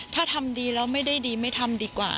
ถ้าทำดีแล้วไม่ได้ดีไม่ทำดีกว่า